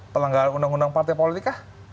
pelanggaran undang undang partai politik kah